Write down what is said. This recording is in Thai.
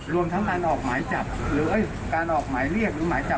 รวมทั้งราญออกหมายเรียกหรือหมายจ่ำ